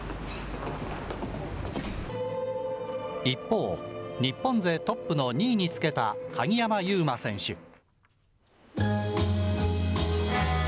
一方、日本勢トップの２位につけた鍵山優真選手。